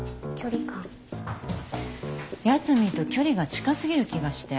八海と距離が近すぎる気がして。